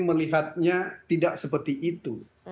melihatnya tidak seperti itu